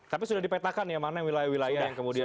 tapi sudah dipetakan ya mana wilayah wilayah yang kemudian